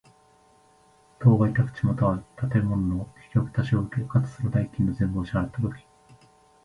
当該宅地又は建物の引渡しを受け、かつ、その代金の全部を支払つたとき。